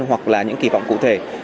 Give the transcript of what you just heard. hoặc là những kỳ vọng cụ thể